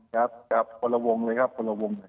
กับคนละวงเลยครับคนละวง